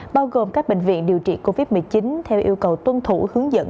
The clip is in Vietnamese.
bao gồm các bệnh viện điều trị covid một mươi chín theo yêu cầu tuân thủ hướng dẫn